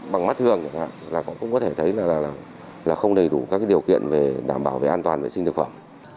bằng mắt thường cũng có thể thấy là không đầy đủ các điều kiện đảm bảo về an toàn vệ sinh thực phẩm